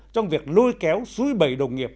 trong việc lôi kéo suối bầy đồng nghiệp